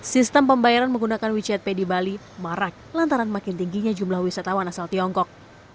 sistem pembayaran menggunakan wechat pay di bali marak lantaran makin tingginya jumlah wisatawan asal tiongkok